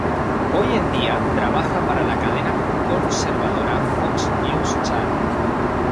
Hoy en día, trabaja para la cadena conservadora Fox News Channel.